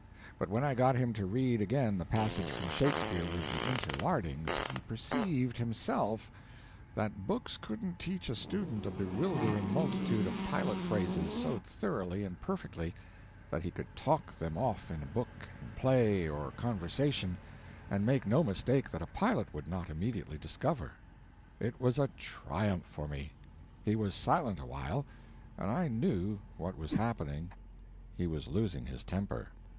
But when I got him to read again the passage from Shakespeare with the interlardings, he perceived, himself, that books couldn't teach a student a bewildering multitude of pilot phrases so thoroughly and perfectly that he could talk them off in book and play or conversation and make no mistake that a pilot would not immediately discover. It was a triumph for me. He was silent awhile, and I knew what was happening—he was losing his temper.